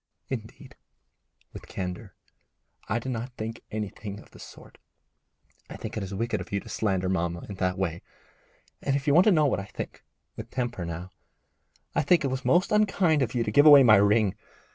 'Indeed' with candour 'I do not think anything of the sort. I think it is wicked of you to slander mamma in that way. And if you want to know what I think' with temper now 'I think it was most unkind of you to give away my ring.